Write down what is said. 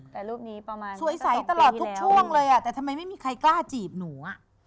แต่รูปนี้ประมาณสัก๒ปีที่แล้วสวยใสตลอดทุกช่วงเลยแต่ทำไมไม่มีใครกล้าจีบหนู